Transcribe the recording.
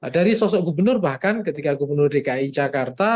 dari sosok gubernur bahkan ketika gubernur dki jakarta